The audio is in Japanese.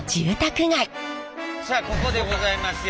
さあここでございますよ